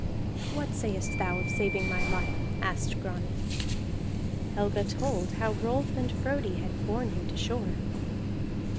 "What sayest thou of saving my life?" asked Grani. Helga told how Rolf and Frodi had borne him to shore.